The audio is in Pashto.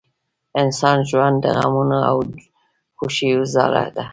انسان ژوند د غمونو او خوښیو ځاله ده